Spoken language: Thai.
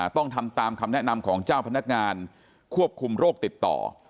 ต้องทำตามคำแนะนำของเจ้าพนักงานควบคุมโรคติดต่อ